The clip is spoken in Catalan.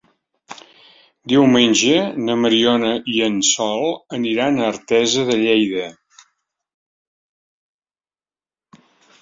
Diumenge na Mariona i en Sol aniran a Artesa de Lleida.